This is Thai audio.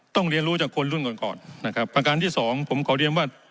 เรียนรู้จากคนรุ่นก่อนก่อนนะครับประการที่สองผมขอเรียนว่า